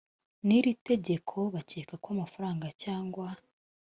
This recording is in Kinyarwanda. n iri tegeko bakeka ko amafaranga cyangwa